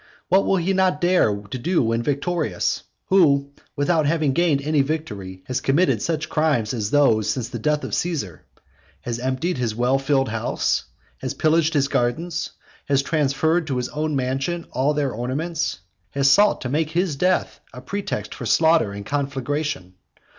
What will he not dare to do when victorious, who, without having gained any victory, has committed such crimes as these since the death of Caesar? has emptied his well filled house? has pillaged his gardens? has transferred to his own mansion all their ornaments? has sought to make his death a pretext for slaughter and conflagration?